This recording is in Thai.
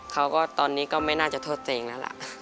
เขาก็ตอนนี้ก็ไม่น่าจะโทษตัวเองแล้วล่ะ